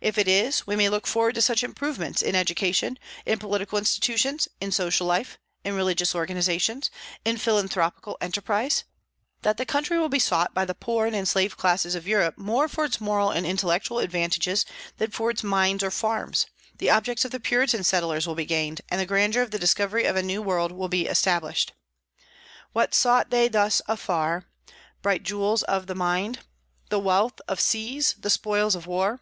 If it is, we may look forward to such improvements in education, in political institutions, in social life, in religious organizations, in philanthropical enterprise, that the country will be sought by the poor and enslaved classes of Europe more for its moral and intellectual advantages than for its mines or farms; the objects of the Puritan settlers will be gained, and the grandeur of the discovery of a New World will be established. "What sought they thus afar? Bright jewels of the mine? The wealth of seas, the spoils of war?